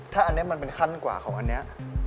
ถ้าอันนี้มันเป็นขั้นกว่าของอันนี้